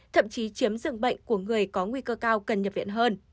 thậm chí chiếm dường bệnh của người có nguy cơ cao cần nhập viện hơn